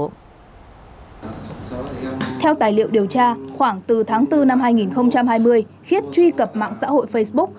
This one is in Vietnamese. theo tài liệu điều tra khoảng từ tháng bốn năm hai nghìn hai mươi khiết truy cập mạng xã hội facebook